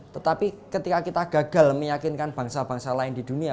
tetapi ketika kita gagal meyakinkan bangsa bangsa lain di dunia